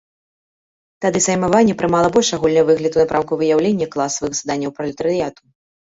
Тады саймаванне прымала больш агульны выгляд у напрамку выяўлення класавых заданняў пралетарыяту.